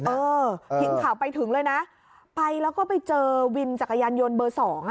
หินข่าวไปถึงเลยนะไปแล้วก็ไปเจอวินจักรยานยนต์เบอร์๒